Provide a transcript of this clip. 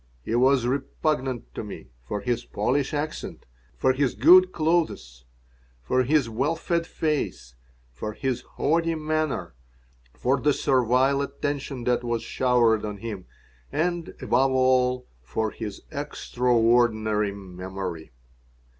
He was repugnant to me for his Polish accent, for his good clothes, for his well fed face, for his haughty manner, for the servile attention that was showered on him, and, above all, for his extraordinary memory.